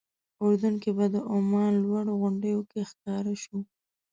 اردن کې به د عمان لوړو غونډیو کې ښکاره شو.